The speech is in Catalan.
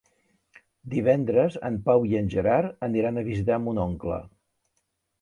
Divendres en Pau i en Gerard aniran a visitar mon oncle.